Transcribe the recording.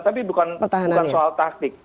tapi bukan soal taktik